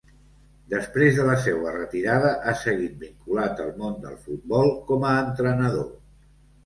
Després de la seua retirada ha seguit vinculat al món del futbol com a entrenador.